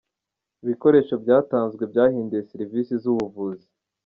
Ibikoresho byatanzwe byahinduye serivisi z’ubuvuzi